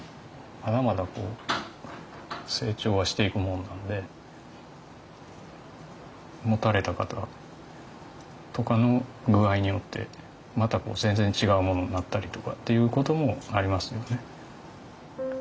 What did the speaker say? まだまだ成長はしていくもんなんで持たれた方とかの具合によってまた全然違うものになったりとかっていう事もありますよね。